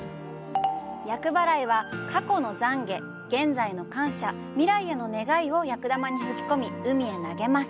厄払いは「過去の懺悔」「現在の感謝」「未来への願い」を厄玉吹き込み、海へ投げます。